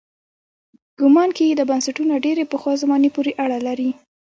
ګومان کېږي دا بنسټونه ډېرې پخوا زمانې پورې اړه لري.